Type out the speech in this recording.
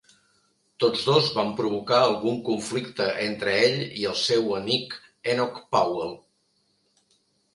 Tots dos van provocar algun conflicte entre ell i el seu antic amic Enoch Powell.